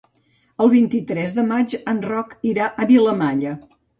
El vint-i-tres de maig en Roc irà a Vilamalla.